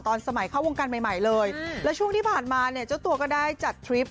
ตอนสมัยเข้าวงการใหม่เลยแล้วช่วงที่ผ่านมาเนี่ยเจ้าตัวก็ได้จัดทริป